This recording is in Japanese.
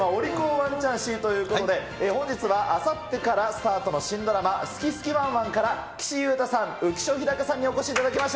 ワンちゃん史ということで、本日はあさってからスタートの新ドラマ、すきすきワンワン！から岸優太さん、浮所飛貴さんにお越しいただきました。